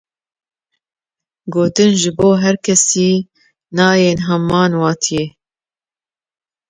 Gotin, ji bo her kesî nayên heman wateyê.